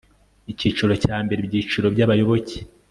icyiciro cya mbere ibyiciro by abayoboke